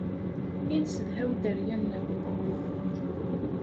I nesedhaw dderya-nneɣ.